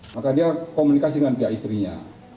maka dia komunikasi dengan pihak istrinya